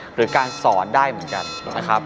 หรือการสอนได้เหมือนกันนะครับ